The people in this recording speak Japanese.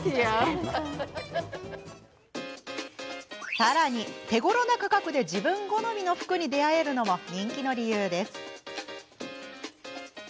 さらに、手ごろな価格で自分好みの服に出会えるのも人気の理由です。